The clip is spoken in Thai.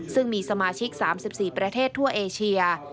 ซึ่งมีสมาชิก๓๔ประเทศทั่วเอเชีย